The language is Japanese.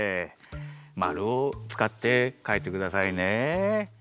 まるをつかってかいてくださいね。